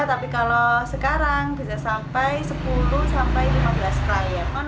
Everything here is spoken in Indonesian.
tapi kalau sekarang bisa sampai sepuluh sampai lima belas klien